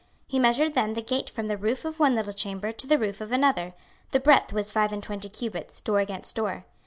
26:040:013 He measured then the gate from the roof of one little chamber to the roof of another: the breadth was five and twenty cubits, door against door.